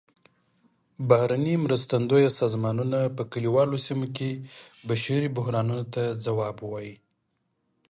بهرنۍ مرستندویه سازمانونه په کلیوالو سیمو کې بشري بحرانونو ته ځواب ووايي.